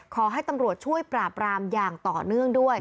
ขอให้ตำรวจช่วยปราบรามอย่างต่อเนื่องด้วย